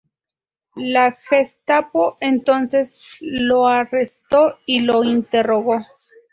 La Gestapo entonces lo arrestó y lo interrogó.